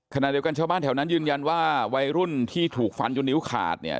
ขณะเดียวกันชาวบ้านแถวนั้นยืนยันว่าวัยรุ่นที่ถูกฟันจนนิ้วขาดเนี่ย